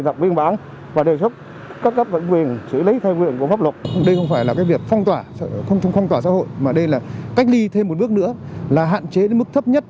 đây không phải là việc phong tỏa xã hội mà đây là cách ly thêm một bước nữa là hạn chế đến mức thấp nhất